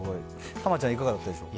玉ちゃんいかがだったでしょう。